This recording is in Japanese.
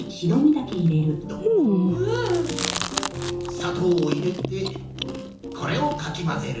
砂糖を入れてこれをかき混ぜる。